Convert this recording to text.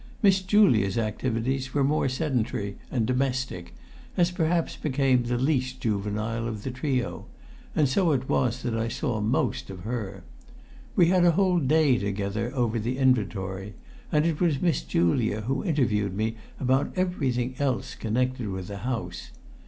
Miss Julia's activities were more sedentary and domestic, as perhaps became the least juvenile of the trio, and so it was that I saw most of her. We had a whole day together over the inventory, and it was Miss Julia who interviewed me about everything else connected with the house.